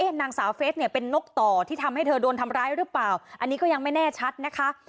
นางสาวเฟสเนี่ยเป็นนกต่อที่ทำให้เธอโดนทำร้ายหรือเปล่าอันนี้ก็ยังไม่แน่ชัดนะคะ